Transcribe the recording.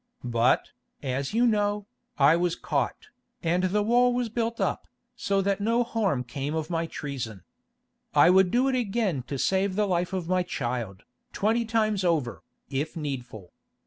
But, as you know, I was caught, and the wall was built up, so that no harm came of my treason. I would do it again to save the life of my child, twenty times over, if needful.